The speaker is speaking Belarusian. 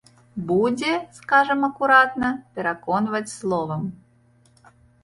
Будзе, скажам акуратна, пераконваць словам.